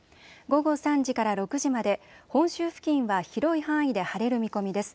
午後３時から６時まで、本州付近は広い範囲で晴れる見込みです。